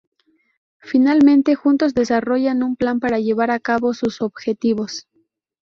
Finalmente, juntos desarrollan un plan para llevar a cabo sus objetivos.